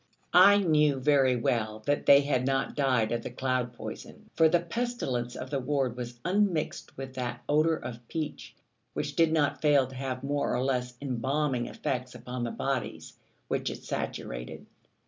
I knew very well that they had not died of the cloud poison, for the pestilence of the ward was unmixed with that odour of peach which did not fail to have more or less embalming effects upon the bodies which it saturated.